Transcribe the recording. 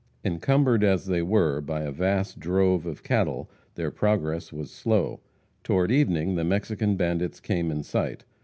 Encumbered as they were, by a vast drove of cattle, their progress was slow. Toward evening the Mexican bandits came in sight.